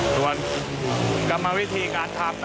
ส่วนกรรมวิธีการทำนะครับ